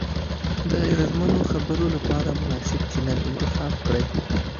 د اغیزمنو خبرو لپاره مناسب چینل انتخاب کړئ.